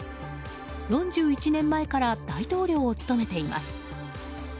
４１年前から大統領を務めています。